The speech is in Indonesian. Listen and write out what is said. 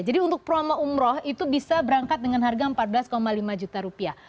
jadi untuk promo umroh itu bisa berangkat dengan harga empat belas lima juta rupiah